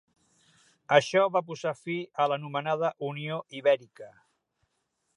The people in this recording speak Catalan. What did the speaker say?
Això va posar fi a l'anomenada Unió Ibèrica.